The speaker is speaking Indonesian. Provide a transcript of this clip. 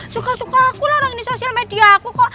suka suka aku larang di sosial media aku kok